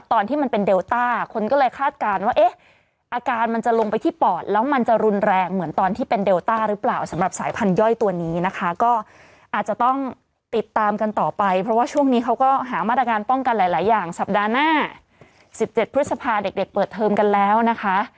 ติดตามกันต่อไปเพราะว่าช่วงนี้เขาก็หามาตรการป้องกันหลายอย่างสัปดาห์หน้า๑๗พฤษภาเด็กเปิดเทิมกันแล้วนะคะ